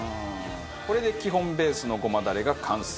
これで基本ベースのごまダレが完成。